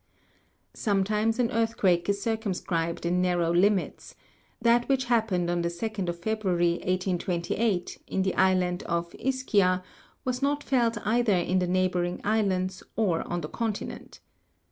3. Sometimes an earthquake is circumscribed in narrow limits ; that which happened on the 2d of February, 1828, in the island of Ischia, was not felt either in the neighbouring islands or on the continent.